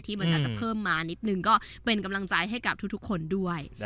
มันอาจจะเพิ่มมานิดนึงก็เป็นกำลังใจให้กับทุกคนด้วย